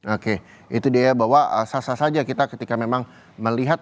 oke itu dia bahwa sah sah saja kita ketika memang melihat